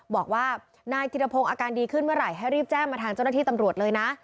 บอกว่านายธิรพงศ์อาการดีขึ้นเมื่อไหร่ให้รีบแจ้งมาทางเจ้าหน้าที่ตำรวจเลยนะ